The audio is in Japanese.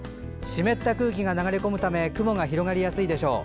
湿った空気が流れ込むため雲が広がりやすいでしょう。